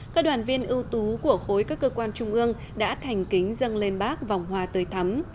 các đoàn viên ưu tú của khối các cơ quan trung ương đã thành kính dâng lên bác vòng hoa tới thắm